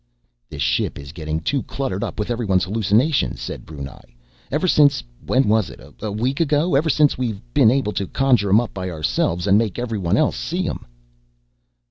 "This ship is getting too cluttered up with everyone's hallucinations," said Brunei. "Ever since ... when was it, a week ago?... ever since we've been able to conjure 'em up by ourselves, and make everyone else see 'em."